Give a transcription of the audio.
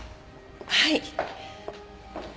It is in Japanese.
はい。